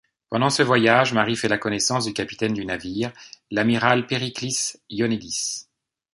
Pendant ce voyage, Marie fait la connaissance du capitaine du navire, l'amiral Periklis Ioannidis.